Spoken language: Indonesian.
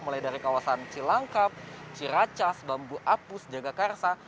mulai dari kawasan cilangkap ciracas bambu apus jagakarsa